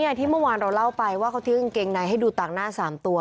คนนี้ที่เมื่อวานเราเล่าไปว่าเขาทึกอังเกงในให้ดูตากหน้า๓ตัว